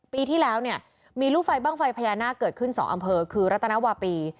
ปีที่แล้วเนี่ยมีลูกไฟบ้างไฟพญานาคเกิดขึ้น๒อำเภอคือรัตนวาปี